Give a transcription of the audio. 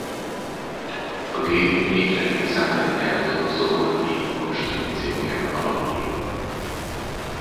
A gép a Nyitrai üzemben gyártott Zobor I konstrukcióján alapul.